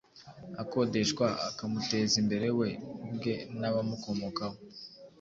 akodeshwa akamuteza imbere we ubwe n’abamukomokaho.